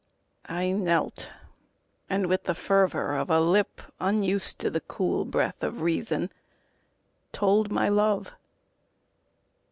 I knelt, And with the fervor of a lip unused To the cool breath of reason, told my love.